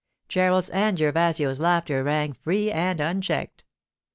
Gerald's and Gervasio's laughter rang free and unchecked.